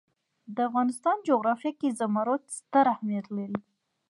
د افغانستان جغرافیه کې زمرد ستر اهمیت لري.